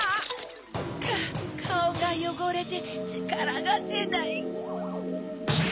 カオがよごれてちからがでない。